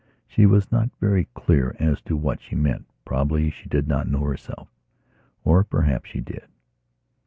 She was not very clear as to what she meant; probably she did not know herself. Or perhaps she did.